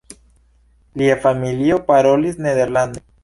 Lia familio parolis nederlande.